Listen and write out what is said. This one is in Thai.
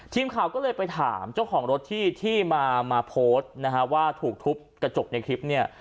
ทีมข่าวก็เลยไปถามเจ้าของรถที่มาโพสต์นะฮะว่าถูกทุบกระจกในคลิปเนี่ย